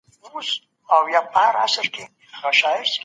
ولي دفاع وزارت په نړیواله کچه ارزښت لري؟